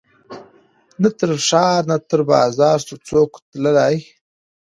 نه تر ښار نه تر بازاره سو څوک تللای